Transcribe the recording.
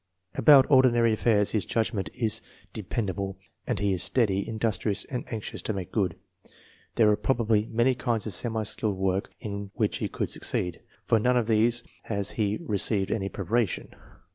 About ordinary affairs his judgment is dependable, and he is steady, industrious and anxious to make good. There are probably many lands of semi skilled work in which he could succeed. For none of these has he re ceived any preparation.